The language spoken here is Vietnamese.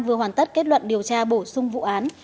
vừa hoàn tất kết luận điều tra bổ sung vụ án